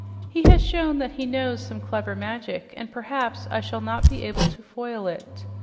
He has shown that he knows some clever magic, and perhaps I shall not be able to foil it.